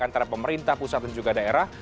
antara pemerintah pusat dan juga daerah